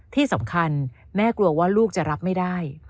ที่สำคัญแม่กลัวว่าลูกจะรับไม่ได้